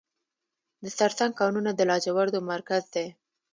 د سرسنګ کانونه د لاجوردو مرکز دی